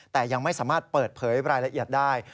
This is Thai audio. แต่ยังไม่สามารถเปิดเผยรายละเอียดได้